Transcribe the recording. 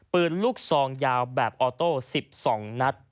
ปืนลูกซองยาวแบบออโต้๑๒นัด